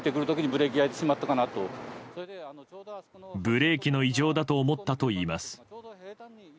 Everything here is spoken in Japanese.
ブレーキの異常だと思ったといいます。